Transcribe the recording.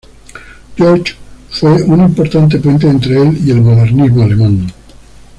George fue un importante puente entre el y el modernismo alemán.